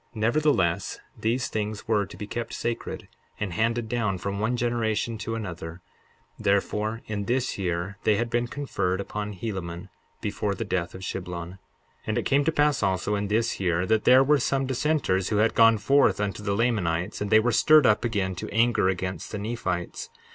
63:13 Nevertheless, these things were to be kept sacred, and handed down from one generation to another; therefore, in this year, they had been conferred upon Helaman, before the death of Shiblon. 63:14 And it came to pass also in this year that there were some dissenters who had gone forth unto the Lamanites; and they were stirred up again to anger against the Nephites.